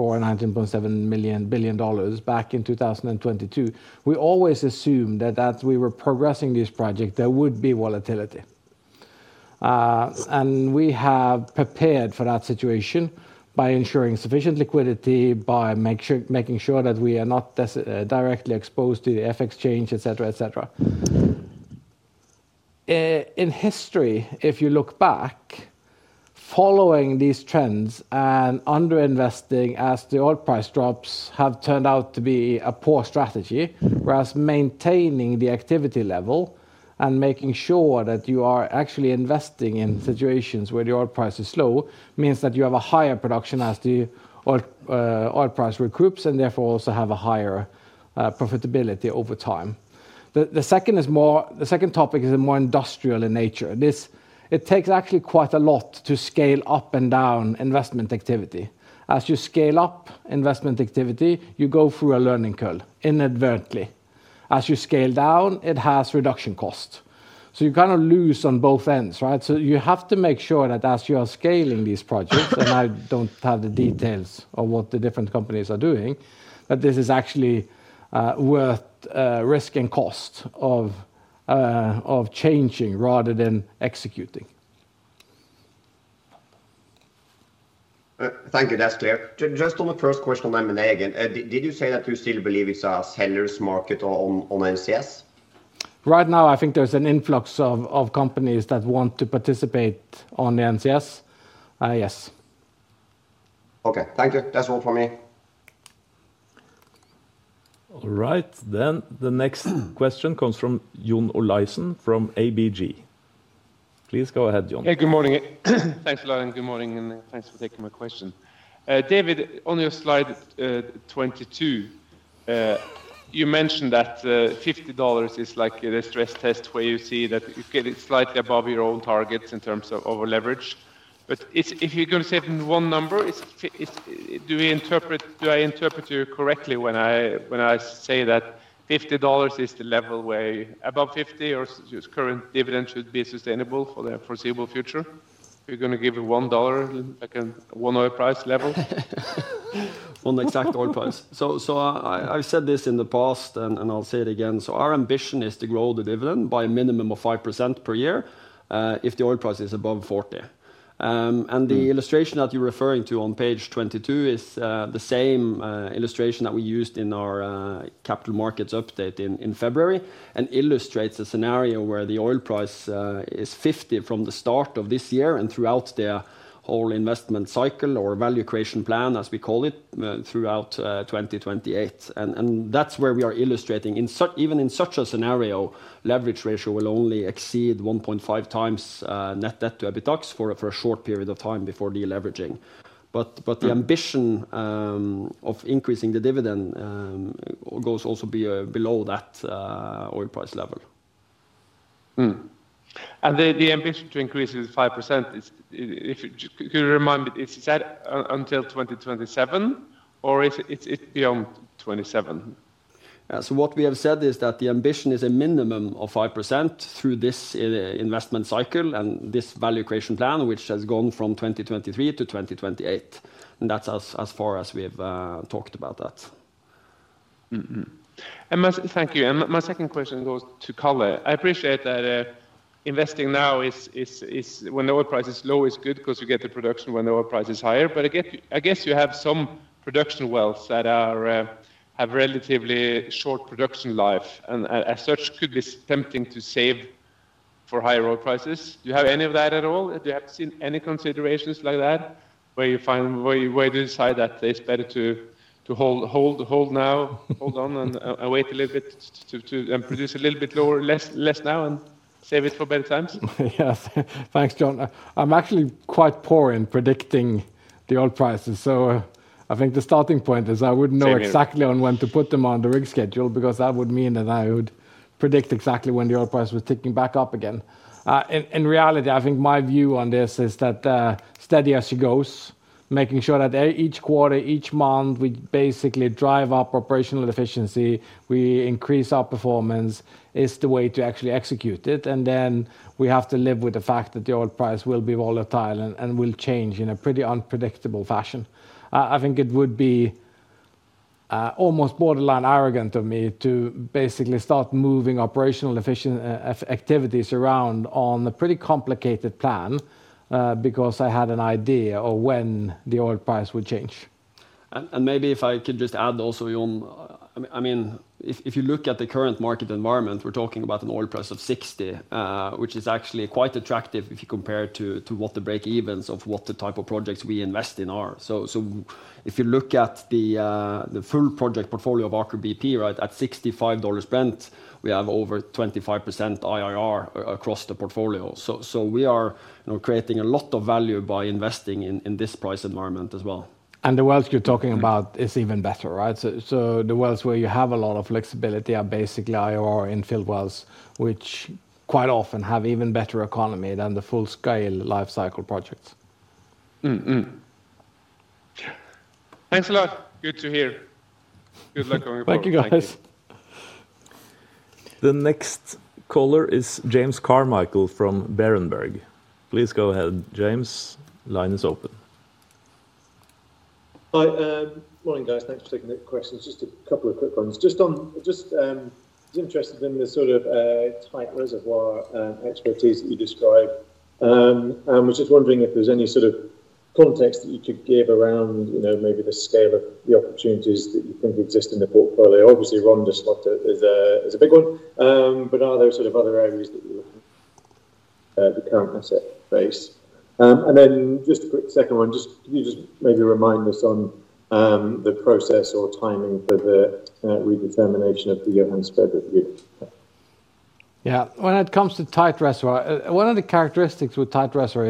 billion-$19.7 billion back in 2022, we always assumed that as we were progressing this project, there would be volatility. We have prepared for that situation by ensuring sufficient liquidity, by making sure that we are not directly exposed to the FX change, et cetera, et cetera. In history, if you look back, following these trends and underinvesting as the oil price drops have turned out to be a poor strategy, whereas maintaining the activity level and making sure that you are actually investing in situations where the oil price is low means that you have a higher production as the oil price recoups and therefore also have a higher profitability over time. The second topic is more industrial in nature. It takes actually quite a lot to scale up and down investment activity. As you scale up investment activity, you go through a learning curve inadvertently. As you scale down, it has reduction costs. You kind of lose on both ends, right? You have to make sure that as you are scaling these projects, and I do not have the details of what the different companies are doing, that this is actually worth the risk and cost of changing rather than executing. Thank you. That is clear. Just on the first question on M&A again, did you say that you still believe it is a seller's market on NCS? Right now, I think there is an influx of companies that want to participate on the NCS. Yes. Okay. Thank you. That is all from me. All right. The next question comes from John Olaisen from ABG. Please go ahead, John. Hey, good morning. Thanks. Good morning, and thanks for taking my question. David, on your slide 22, you mentioned that $50 is like the stress test where you see that you get it slightly above your own targets in terms of over-leverage. If you're going to say one number, do I interpret you correctly when I say that $50 is the level where above $50 our current dividend should be sustainable for the foreseeable future? If you're going to give a $1, like a one oil price level? One exact oil price. I've said this in the past, and I'll say it again. Our ambition is to grow the dividend by a minimum of 5% per year if the oil price is above $40. The illustration that you're referring to on page 22 is the same illustration that we used in our capital markets update in February and illustrates a scenario where the oil price is $50 from the start of this year and throughout the whole investment cycle or value creation plan, as we call it, throughout 2028. That's where we are illustrating. Even in such a scenario, leverage ratio will only exceed 1.5 times net debt to EBITDA for a short period of time before deleveraging. The ambition of increasing the dividend goes also below that oil price level. The ambition to increase is 5%. Could you remind me, is that until 2027, or is it beyond 2027? Yeah. What we have said is that the ambition is a minimum of 5% through this investment cycle and this value creation plan, which has gone from 2023 to 2028. That is as far as we have talked about that. Thank you. My second question goes to Karl. I appreciate that investing now, when the oil price is low, is good because you get the production when the oil price is higher. I guess you have some production wells that have relatively short production life, and as such, could be tempting to save for higher oil prices. Do you have any of that at all? Have you seen any considerations like that where you decide that it's better to hold now, hold on and wait a little bit and produce a little bit less now and save it for better times? Yes. Thanks, John. I'm actually quite poor in predicting the oil prices. I think the starting point is I wouldn't know exactly when to put them on the rig schedule because that would mean that I would predict exactly when the oil price was ticking back up again. In reality, I think my view on this is that steady as she goes, making sure that each quarter, each month, we basically drive up operational efficiency, we increase our performance is the way to actually execute it. We have to live with the fact that the oil price will be volatile and will change in a pretty unpredictable fashion. I think it would be almost borderline arrogant of me to basically start moving operational efficient activities around on a pretty complicated plan because I had an idea of when the oil price would change. Maybe if I could just add also, John, I mean, if you look at the current market environment, we're talking about an oil price of $60, which is actually quite attractive if you compare it to what the breakeven of what the type of projects we invest in are. If you look at the full project portfolio of Aker BP, right, at $65 spent, we have over 25% IRR across the portfolio. We are creating a lot of value by investing in this price environment as well. The Wells you're talking about are even better, right? The Wells where you have a lot of flexibility are basically IRR infill wells, which quite often have even better economy than the full-scale lifecycle projects. Thanks a lot. Good to hear. Good luck going forward. Thank you, guys. The next caller is James Carmichael from Berenberg. Please go ahead, James. Line is open. Hi. Morning, guys. Thanks for taking the questions. Just a couple of quick ones. Just interested in the sort of tight reservoir expertise that you describe, and was just wondering if there's any sort of context that you could give around maybe the scale of the opportunities that you think exist in the portfolio. Obviously, Ronda's slot is a big one, but are there sort of other areas that you're looking at? The current asset base. Just a quick second one. Could you just maybe remind us on the process or timing for the redetermination of the Johan Sverdrup review? Yeah. When it comes to tight reservoir, one of the characteristics with tight reservoir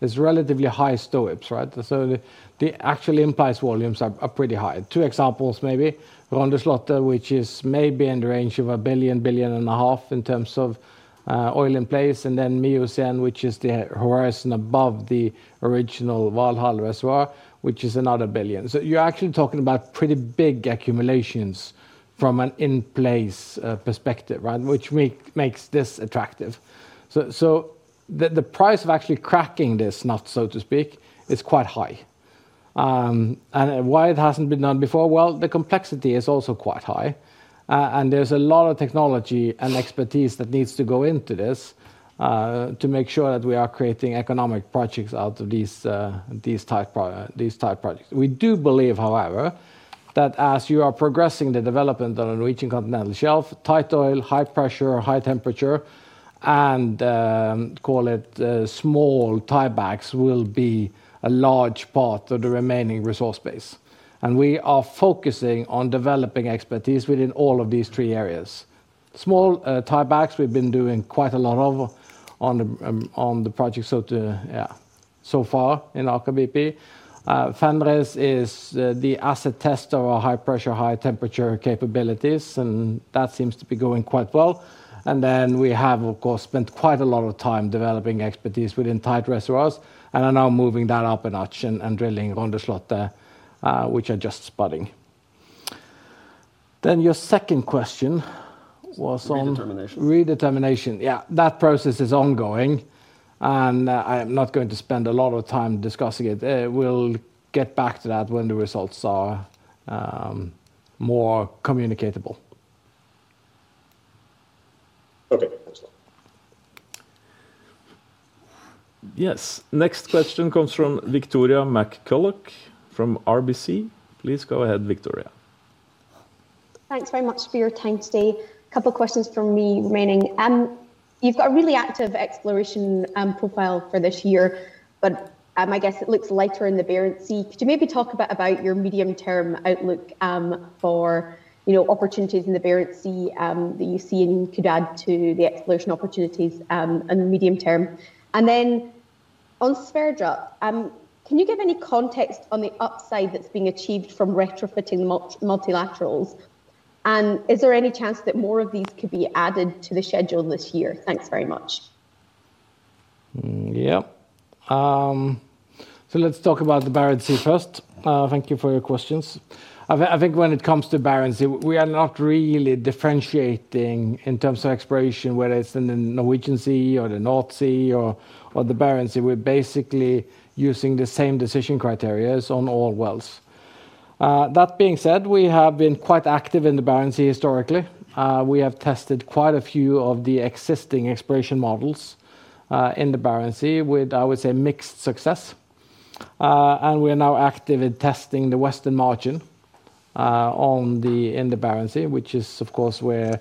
is relatively high STOIIP, right? So the actual implied volumes are pretty high. Two examples maybe. Ronda's slot, which is maybe in the range of $1 billion-$1.5 billion in terms of oil in place, and then Mjølnir, which is the horizon above the original Valhall reservoir, which is another $1 billion. You are actually talking about pretty big accumulations from an in-place perspective, right, which makes this attractive. The price of actually cracking this nut, so to speak, is quite high. Why it hasn't been done before? The complexity is also quite high, and there is a lot of technology and expertise that needs to go into this to make sure that we are creating economic projects out of these tight projects. We do believe, however, that as you are progressing the development on a region continental shelf, tight oil, high pressure, high temperature, and call it small tiebacks will be a large part of the remaining resource base. We are focusing on developing expertise within all of these three areas. Small tiebacks, we've been doing quite a lot of on the project so far in Aker BP. Fenris is the asset test of our high-pressure high-temperature capabilities, and that seems to be going quite well. We have, of course, spent quite a lot of time developing expertise within tight reservoirs, and are now moving that up a notch and drilling Ronda's slot, which I just spotted. Your second question was on redetermination. Redetermination, yeah. That process is ongoing, and I am not going to spend a lot of time discussing it. We'll get back to that when the results are more communicatable. Okay. Thanks, Karl. Yes. Next question comes from Victoria McCulloch from RBC. Please go ahead, Victoria. Thanks very much for your time today. A couple of questions from me remaining. You've got a really active exploration profile for this year, but I guess it looks lighter in the Barents Sea. Could you maybe talk a bit about your medium-term outlook for opportunities in the Barents Sea that you see and you could add to the exploration opportunities in the medium term? On Johan Sverdrup, can you give any context on the upside that's being achieved from retrofitting the multilaterals? Is there any chance that more of these could be added to the schedule this year? Thanks very much. Yep. Let's talk about the Barents Sea first. Thank you for your questions. I think when it comes to the Barents Sea, we are not really differentiating in terms of exploration, whether it's in the Norwegian Sea or the North Sea or the Barents Sea. We're basically using the same decision criteria on all wells. That being said, we have been quite active in the Barents Sea historically. We have tested quite a few of the existing exploration models in the Barents Sea with, I would say, mixed success. We are now active in testing the western margin in the Barents Sea, which is, of course, where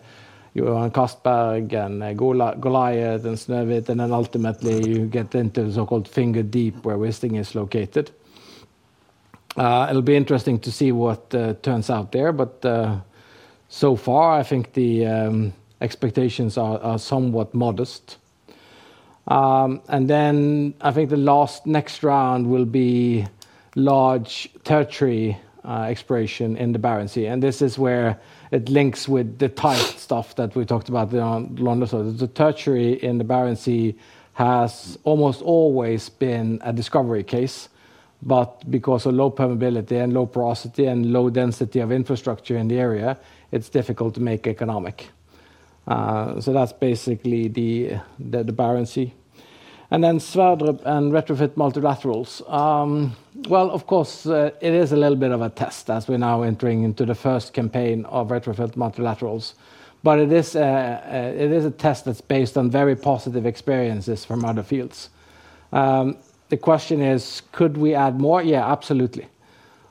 you are on Castberg and Goliat and Snøhvit, and then ultimately you get into the so-called Finger Deep, where Wisting is located. It will be interesting to see what turns out there, but so far, I think the expectations are somewhat modest. I think the last next round will be large tertiary exploration in the Barents Sea. This is where it links with the tight stuff that we talked about. The tertiary in the Barents Sea has almost always been a discovery case, but because of low permeability and low porosity and low density of infrastructure in the area, it's difficult to make economic. That is basically the Barents Sea. Sverdrup and retrofit multilaterals, of course, it is a little bit of a test as we're now entering into the first campaign of retrofit multilaterals, but it is a test that's based on very positive experiences from other fields. The question is, could we add more? Yeah, absolutely.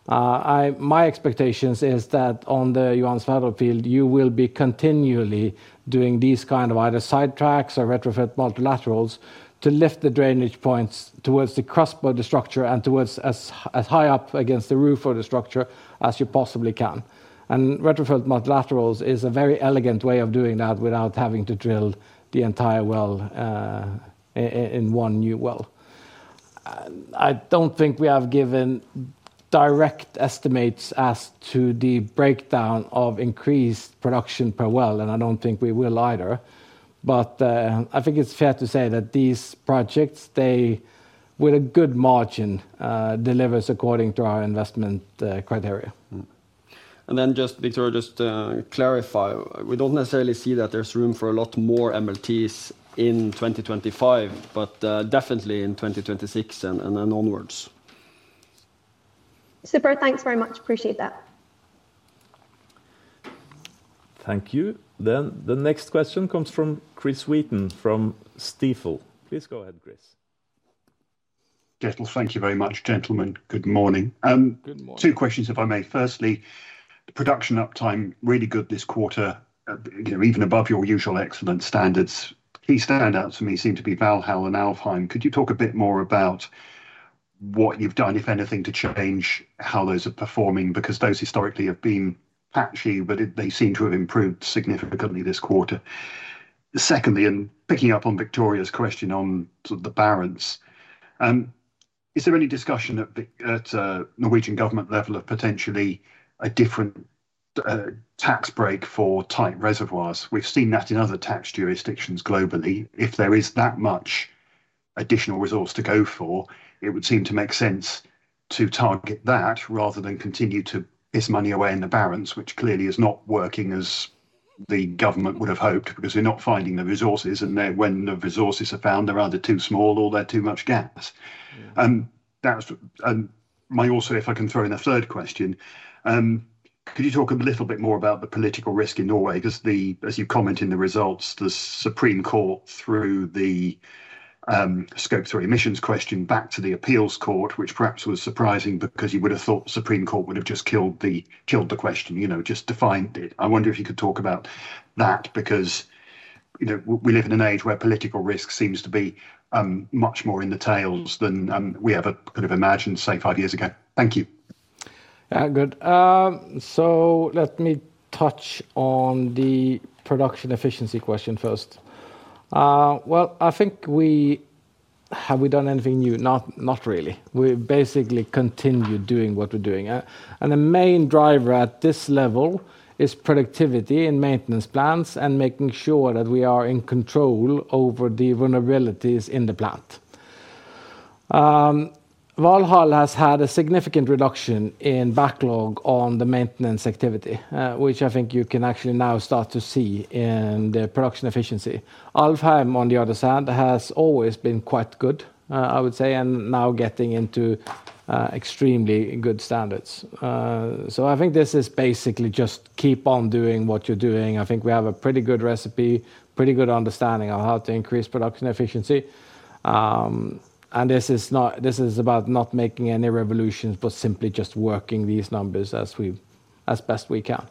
My expectation is that on the Johan Sverdrup field, you will be continually doing these kinds of either side tracks or retrofit multilaterals to lift the drainage points towards the crest of the structure and towards as high up against the roof of the structure as you possibly can. Retrofit multilaterals is a very elegant way of doing that without having to drill the entire well in one new well. I do not think we have given direct estimates as to the breakdown of increased production per well, and I do not think we will either. I think it is fair to say that these projects, they with a good margin deliver according to our investment criteria. Victoria, just to clarify, we do not necessarily see that there is room for a lot more MLTs in 2025, but definitely in 2026 and onwards. Super. Thanks very much. Appreciate that. Thank you. The next question comes from Chris Wheaton from Stifel. Please go ahead, Chris. Thank you very much, gentlemen. Good morning. Two questions, if I may. Firstly, production uptime really good this quarter, even above your usual excellent standards. Key standouts for me seem to be Valhall and Alfheim. Could you talk a bit more about what you've done, if anything, to change how those are performing? Because those historically have been patchy, but they seem to have improved significantly this quarter. Secondly, and picking up on Victoria's question on the Barents, is there any discussion at Norwegian government level of potentially a different tax break for tight reservoirs? We've seen that in other tax jurisdictions globally. If there is that much additional resource to go for, it would seem to make sense to target that rather than continue to piss money away in the Barents, which clearly is not working as the government would have hoped because they're not finding the resources, and when the resources are found, they're either too small or they're too much gas. May I also, if I can throw in a third question, could you talk a little bit more about the political risk in Norway? Because as you comment in the results, the Supreme Court threw the scope three emissions question back to the appeals court, which perhaps was surprising because you would have thought the Supreme Court would have just killed the question, just defined it. I wonder if you could talk about that because we live in an age where political risk seems to be much more in the tails than we ever could have imagined, say, five years ago. Thank you. Good. Let me touch on the production efficiency question first. I think we have we done anything new? Not really. We basically continue doing what we're doing. The main driver at this level is productivity in maintenance plans and making sure that we are in control over the vulnerabilities in the plant. Valhall has had a significant reduction in backlog on the maintenance activity, which I think you can actually now start to see in the production efficiency. Alfheim, on the other side, has always been quite good, I would say, and now getting into extremely good standards. I think this is basically just keep on doing what you're doing. I think we have a pretty good recipe, pretty good understanding of how to increase production efficiency. This is about not making any revolutions, but simply just working these numbers as best we can.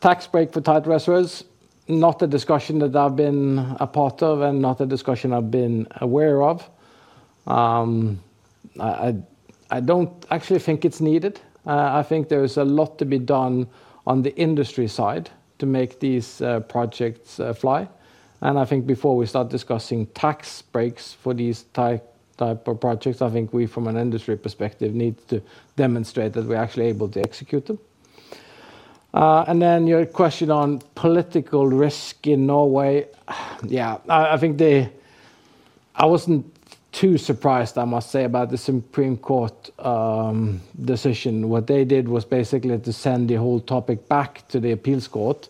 Tax break for tight reservoirs, not a discussion that I've been a part of and not a discussion I've been aware of. I don't actually think it's needed. I think there is a lot to be done on the industry side to make these projects fly. I think before we start discussing tax breaks for these type of projects, I think we, from an industry perspective, need to demonstrate that we're actually able to execute them. Your question on political risk in Norway, yeah, I think I wasn't too surprised, I must say, about the Supreme Court decision. What they did was basically to send the whole topic back to the appeals court,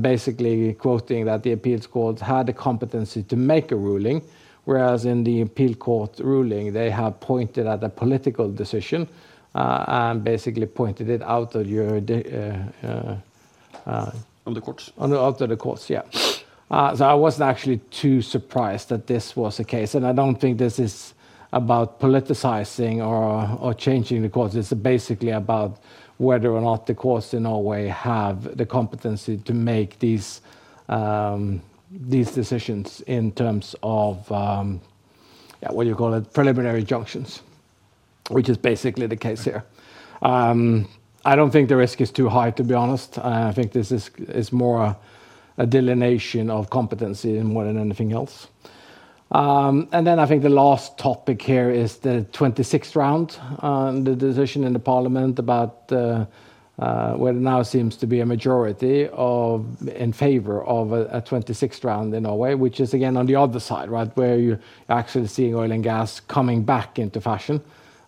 basically quoting that the appeals court had the competency to make a ruling, whereas in the appeal court ruling, they have pointed at a political decision and basically pointed it out of the courts. Out of the courts, yeah. I wasn't actually too surprised that this was the case. I do not think this is about politicizing or changing the courts. It is basically about whether or not the courts in Norway have the competency to make these decisions in terms of, yeah, what do you call it? Preliminary junctions, which is basically the case here. I do not think the risk is too high, to be honest. I think this is more a delineation of competency more than anything else. I think the last topic here is the 26th round, the decision in the parliament about where it now seems to be a majority in favor of a 26th round in Norway, which is, again, on the other side, right, where you are actually seeing oil and gas coming back into fashion.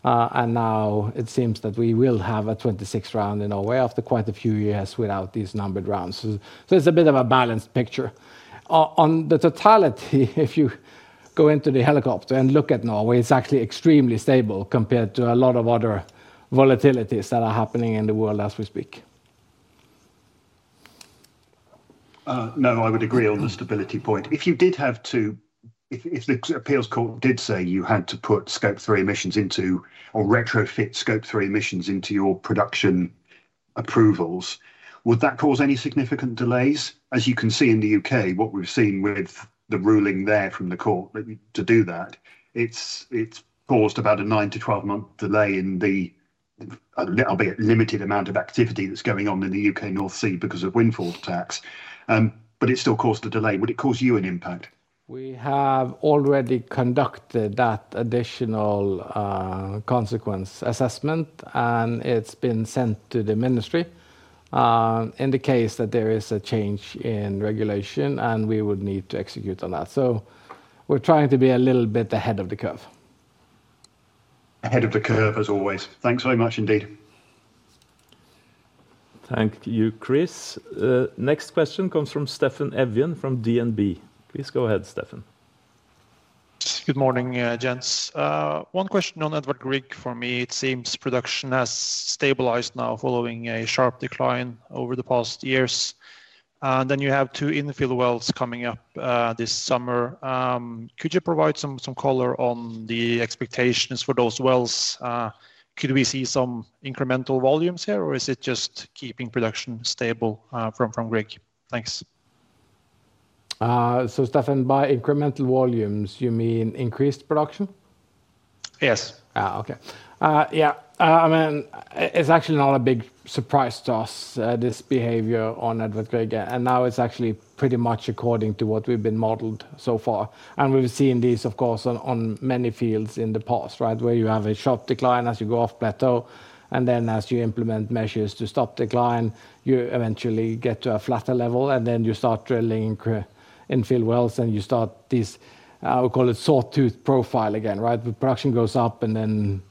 Now it seems that we will have a 26th round in Norway after quite a few years without these numbered rounds. It's a bit of a balanced picture. On the totality, if you go into the helicopter and look at Norway, it's actually extremely stable compared to a lot of other volatilities that are happening in the world as we speak. No, I would agree on the stability point. If you did have to, if the appeals court did say you had to put scope three emissions into or retrofit scope three emissions into your production approvals, would that cause any significant delays? As you can see in the U.K., what we've seen with the ruling there from the court to do that, it's caused about a 9-12 month delay in the limited amount of activity that's going on in the U.K. North Sea because of windfall attacks. It still caused the delay. Would it cause you an impact? We have already conducted that additional consequence assessment, and it's been sent to the ministry in the case that there is a change in regulation, and we would need to execute on that. We are trying to be a little bit ahead of the curve. Ahead of the curve, as always. Thanks very much indeed. Thank you, Chris. Next question comes from Steffen Evjen from DNB. Please go ahead, Steffen. Good morning. One question on Edvard Grieg for me. It seems production has stabilized now following a sharp decline over the past years. You have two infill wells coming up this summer. Could you provide some color on the expectations for those wells? Could we see some incremental volumes here, or is it just keeping production stable from Grieg? Thanks. Steffen, by incremental volumes, you mean increased production? Yes. Okay. Yeah. I mean, it's actually not a big surprise to us, this behavior on Edvard Grieg. It's actually pretty much according to what we've been modeled so far. We've seen these, of course, on many fields in the past, right, where you have a sharp decline as you go off plateau. As you implement measures to stop decline, you eventually get to a flatter level, and you start drilling infill wells, and you start these, I'll call it, sawtooth profile again, right? The production goes up, and then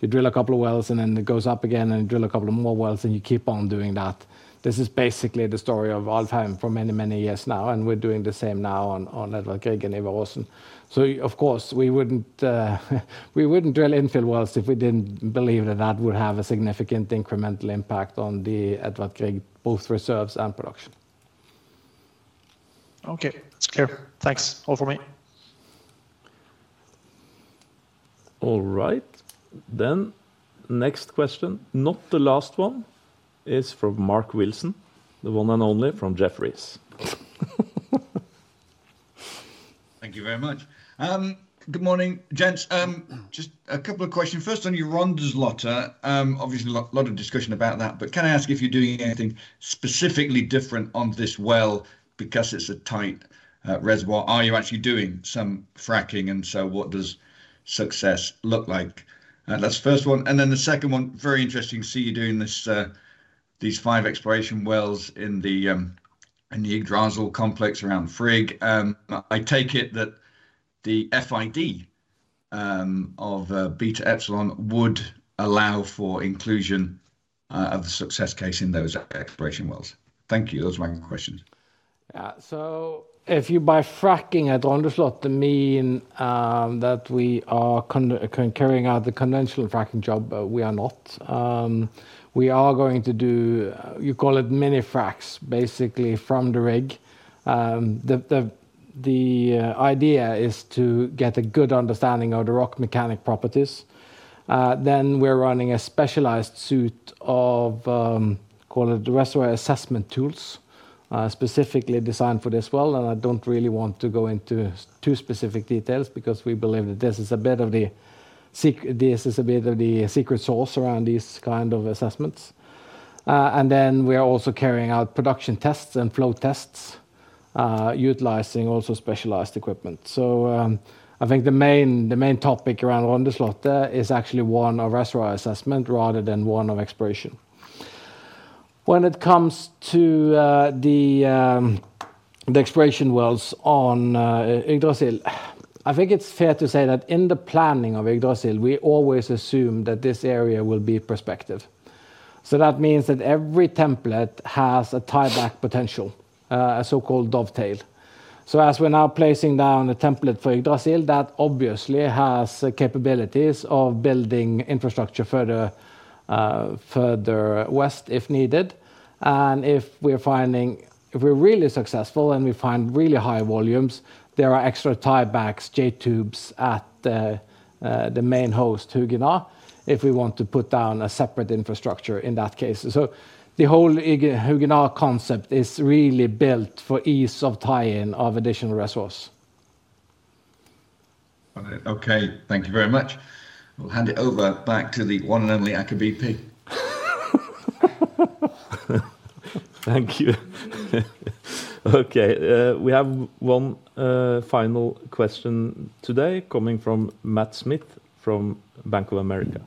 you drill a couple of wells, and then it goes up again, and you drill a couple of more wells, and you keep on doing that. This is basically the story of Alvheim for many, many years now, and we're doing the same now on Edvard Grieg and Ivar Aasen. Of course, we wouldn't drill infill wells if we didn't believe that that would have a significant incremental impact on the Edvard Grieg both reserves and production. Okay, that's clear. Thanks. All for me. All right. Next question, not the last one, is from Mark Wilson, the one and only from Jefferies. Thank you very much. Good morning. Just a couple of questions. First one, your Rondeslottet, obviously a lot of discussion about that, but can I ask if you're doing anything specifically different on this well because it's a tight reservoir? Are you actually doing some fracking? What does success look like? That's the first one. The second one, very interesting to see you doing these five exploration wells in the Yggdrasil complex around Frigg. I take it that the FID of Beta Epsilon would allow for inclusion of the success case in those exploration wells. Thank you. Those are my questions. Yeah. If you buy fracking at Rondeslotte, mean that we are carrying out the conventional fracking job? We are not. We are going to do, you call it, mini fracs, basically from the rig. The idea is to get a good understanding of the rock mechanic properties. We are running a specialized suite of, call it, the reservoir assessment tools specifically designed for this well. I do not really want to go into too specific details because we believe that this is a bit of the secret, this is a bit of the secret sauce around these kinds of assessments. We are also carrying out production tests and flow tests utilizing also specialized equipment. I think the main topic around Rondeslottet is actually one of reservoir assessment rather than one of exploration. When it comes to the exploration wells on Yggdrasil, I think it's fair to say that in the planning of Yggdrasil, we always assume that this area will be prospective. That means that every template has a tieback potential, a so-called dovetail. As we're now placing down a template for Yggdrasil, that obviously has capabilities of building infrastructure further west if needed. If we're finding, if we're really successful and we find really high volumes, there are extra tiebacks, J-tubes at the main host, Hugin A, if we want to put down a separate infrastructure in that case. The whole Hugin concept is really built for ease of tie-in of additional resource. Okay. Thank you very much. We'll hand it over back to the one and only Aker BP. Thank you. Okay. We have one final question today coming from Matt Smith from Bank of America.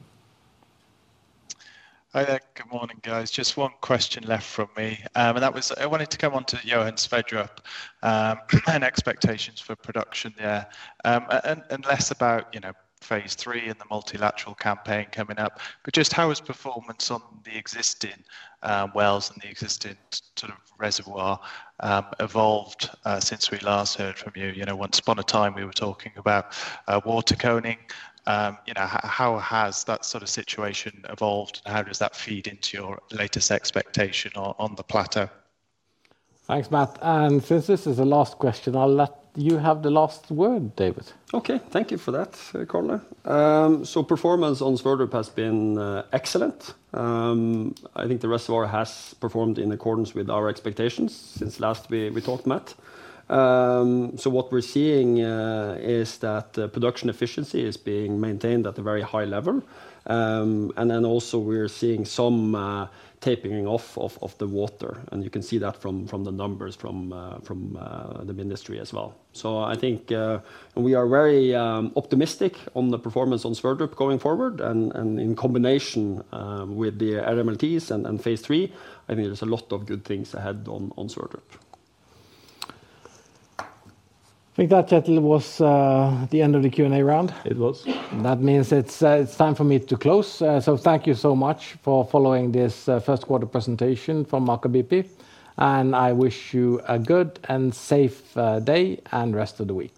Hi, good morning, guys. Just one question left from me. And that was, I wanted to come on to Johan Sverdrup and expectations for production there and less about phase three and the multilateral campaign coming up, but just how has performance on the existing wells and the existing sort of reservoir evolved since we last heard from you? Once upon a time, we were talking about water coning. How has that sort of situation evolved, and how does that feed into your latest expectation on the plateau? Thanks, Matt. And since this is the last question, I'll let you have the last word, David. Okay. Thank you for that, Karl. So performance on Sverdrup has been excellent. I think the reservoir has performed in accordance with our expectations since last we talked, Matt. What we're seeing is that production efficiency is being maintained at a very high level. We are also seeing some tapering off of the water. You can see that from the numbers from the ministry as well. I think we are very optimistic on the performance on Sverdrup going forward. In combination with the LMLTs and phase three, I think there's a lot of good things ahead on Sverdrup. I think that, gentlemen, was the end of the Q&A round. It was. That means it's time for me to close. Thank you so much for following this first quarter presentation from Aker BP. I wish you a good and safe day and rest of the week.